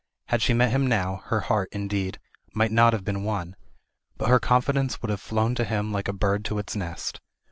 Had she met him now, her heart, indeed, might not have been won, but her confidence would have flown to him like a bird to its nest.